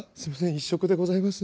１食でございます。